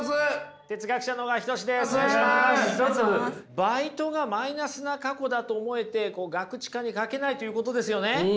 バイトがマイナスな過去だと思えてガクチカに書けないということですよね。